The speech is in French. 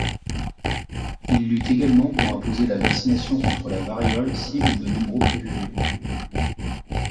Il lutte également pour imposer la vaccination contre la variole, cible de nombreux préjugés.